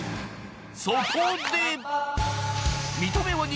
そこで！